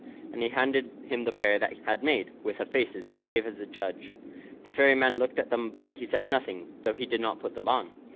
And he handed him the pair that he had made, with a face as grave as a judge. The fairy man looked at them, but he said nothing, though he did not put them on.